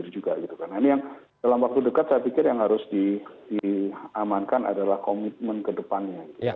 ini yang dalam waktu dekat yang harus diamankan adalah komitmen kedepannya